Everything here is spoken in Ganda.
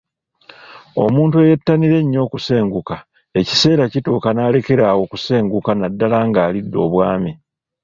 Omuntu eyeettanira ennyo okusenguka, ekiseera kituuka n’alekera awo okusenguka naddala ng’alidde obwami.